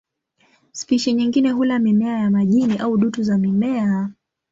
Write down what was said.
Spishi nyingine hula mimea ya majini au dutu za mimea.